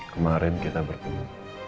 kemarin kita bertemu